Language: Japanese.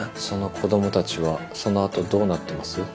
「その子供たちはその後どうなってます？」